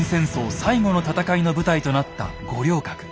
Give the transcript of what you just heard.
最後の戦いの舞台となった五稜郭。